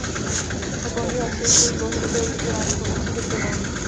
Okolní lesy jsou dlouhodobě udržovány pomocí dobrovolníků.